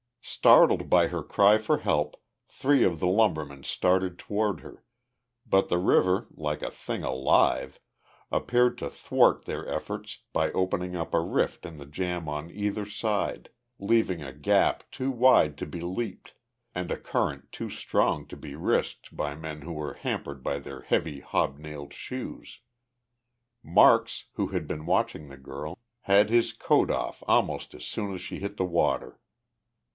Startled by her cry for help, three of the lumbermen started toward her but the river, like a thing alive, appeared to thwart their efforts by opening up a rift in the jam on either side, leaving a gap too wide to be leaped, and a current too strong to be risked by men who were hampered by their heavy hobnailed shoes. Marks, who had been watching the girl, had his coat off almost as soon as she hit the water.